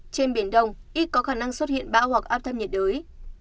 trên biển đông ít có khả năng xuất hiện bão hoặc áp thấp nhiệt đới